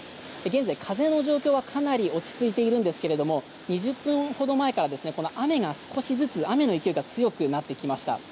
現在、風の状況はかなり落ち着いているんですが２０分ほど前から雨の勢いが強くなってきました。